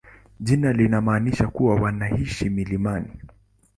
Jina linamaanisha kuwa wanaishi milimani.